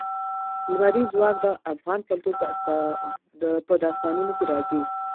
لمریز ځواک د افغان کلتور په داستانونو کې راځي.